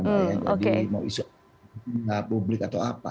jadi mau isu publik atau apa